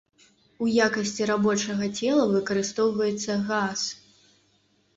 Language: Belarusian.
У якасці рабочага цела выкарыстоўваецца газ.